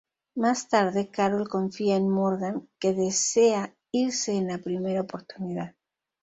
Más tarde, Carol confía en Morgan que desea irse en la primera oportunidad.